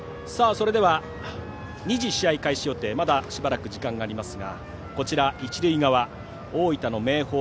それでは、２時試合開始予定まだしばらく時間がありますが一塁側、大分の明豊。